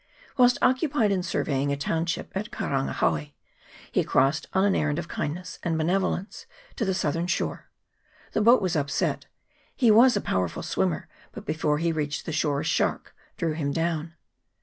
Whilst occupied in surveying a township at Karanga hawe, he crossed on an errand of kindness and benevo lence to the southern shore : the boat was upset ; he was a powerful swimmer, but before he reached the shore a shark drew him down.